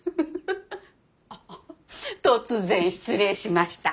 あっ突然失礼しました。